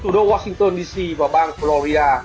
thủ đô washington dc và bang florida